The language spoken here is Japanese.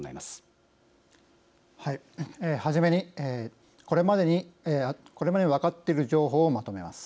はじめにこれまでに分かっている情報をまとめます。